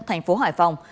tp hải phòng